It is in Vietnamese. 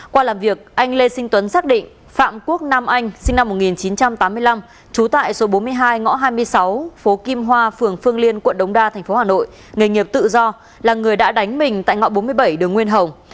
qua làm việc anh lê sinh tuấn xác định phạm quốc nam anh sinh năm một nghìn chín trăm tám mươi năm trú tại số bốn mươi hai ngõ hai mươi sáu phố kim hoa phường phương liên quận đống đa tp hà nội nghề nghiệp tự do là người đã đánh mình tại ngõ bốn mươi bảy đường nguyên hồng